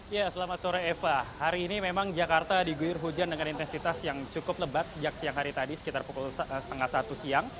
ya selamat sore eva hari ini memang jakarta diguyur hujan dengan intensitas yang cukup lebat sejak siang hari tadi sekitar pukul setengah satu siang